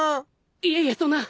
いえいえそんな！